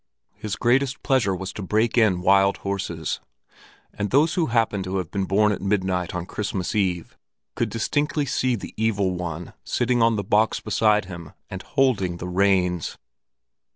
His greatest pleasure was to break in wild horses, and those who happened to have been born at midnight on Christmas Eve could distinctly see the Evil One sitting on the box beside him and holding the reins.